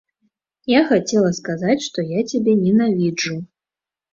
Я хацела сказаць, што я цябе ненавіджу.